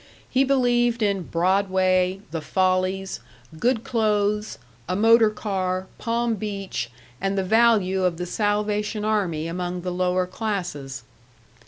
He believed in Broadway, the Follies, good clothes, a motor car, Palm Beach, and the value of the Salvation Army among the lower classes.